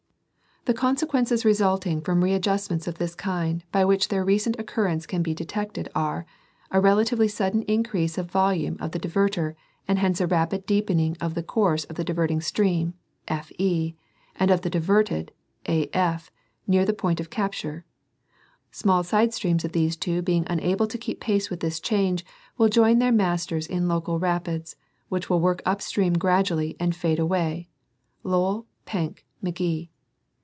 211 The consequences resulting from readjustments of this kind by which their recent occurrence can be detected are : a relatively sudden increase of volume of the divertor and hence a rapid deepening of the course of the diverting stream, FE, and of the diverted, AF, near the point of capture ; small side streams of these two being unable to keep pace with this change will join their masters in local rapids, which work up stream gradually and fade away (Lowl, Penck, McGee).